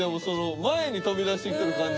前に飛び出してきてる感じ。